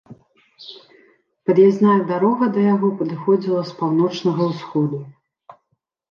Пад'язная дарога да яго падыходзіла з паўночнага ўсходу.